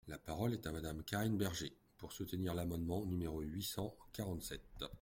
La parole est à Madame Karine Berger, pour soutenir l’amendement numéro huit cent quarante-sept.